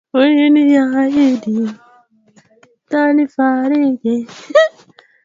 virusi hivyo katika kivuli kwa hadi miezi sita Wanyama wazima kiafya wanaweza kugusana